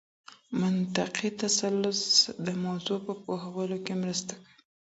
منطقي تسلسل د موضوع په پوهولو کي مرسته کوي.